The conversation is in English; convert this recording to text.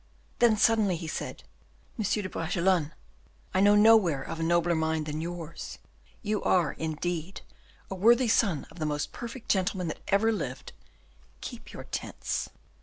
Then suddenly, he said, "M. de Bragelonne, I know nowhere a nobler mind than yours; you are, indeed, a worthy son of the most perfect gentleman that ever lived. Keep your tents."